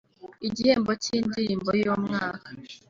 igihembo cy’indirimbo y’umwaka